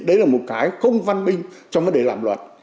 đấy là một cái không văn minh trong vấn đề làm luật